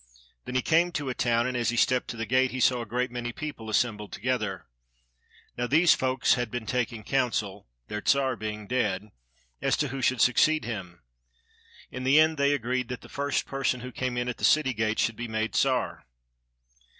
Then he came to a town, and as he stepped to the gate he saw a great many people assembled together. Now these folk had been taking council, their Czar being dead, as to who should succeed him. In the end they agreed that the first person who came in at the city gate should be made Czar.